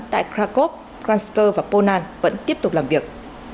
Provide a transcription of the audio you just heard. tại krakow krasnoyarsk và polan vẫn tiếp tục làm việc